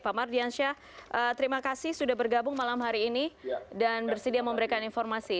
pak mardiansyah terima kasih sudah bergabung malam hari ini dan bersedia memberikan informasi